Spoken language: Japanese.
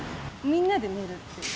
みんなで寝るっていう。